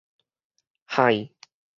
幌